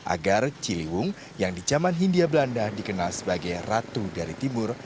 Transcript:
agar ciliwung yang di zaman hindia belanda dikenal sebagai ratu dari timur